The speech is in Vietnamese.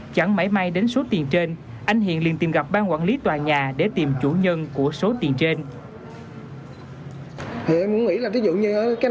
chẳng mãi may đến số tiền trên anh hiền liên tìm gặp ban quản lý tòa nhà để tìm chủ nhân của số tiền trên